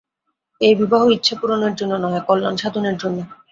এই বিবাহ ইচ্ছাপূরণের জন্য নহে, কল্যাণসাধনের জন্য।